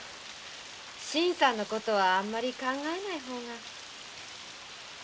新さんの事はあまり考えない方が。